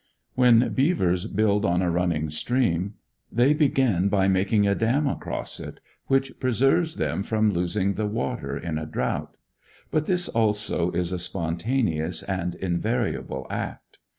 When beavers build on a running stream, they begin by making a dam across it, which preserves them from losing the water in a drought; but this also is a spontaneous and invariable act.